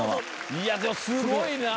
いやでもすごいなぁ。